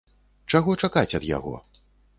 Чаго чакаць ад яго?